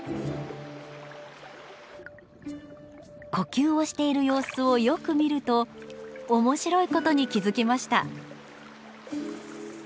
呼吸をしている様子をよく見ると面白いことに気付きました。